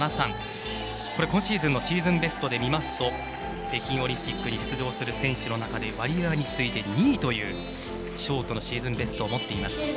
今シーズンのシーズンベストで見ますと北京オリンピックに出場する選手の中でワリエワに次いで２位というショートのシーズンベストを持っています。